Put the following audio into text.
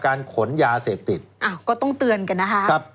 การขนยาเสพติดก็ต้องเตือนกันนะครับ